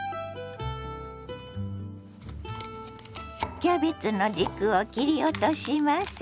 キャベツの軸を切り落とします。